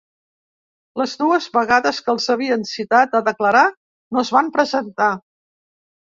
Les dues vegades que els havien citat a declarar no es van presentar.